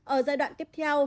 ở giai đoạn tiếp theo